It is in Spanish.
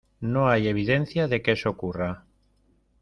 no hay evidencia de que eso ocurra.